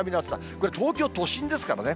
これ、東京都心ですからね。